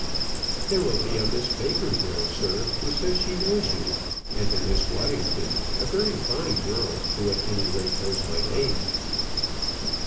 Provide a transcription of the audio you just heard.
"There will be a Miss Baker there, sir, who says she knows you; and a Miss Waddington, a very fine girl, who at any rate knows my name."